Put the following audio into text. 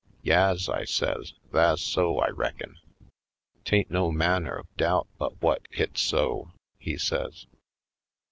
"Yas," I says, "tha's so, I reckin.'* " 'Tain't no manner of doubt but whut hit's so," he says.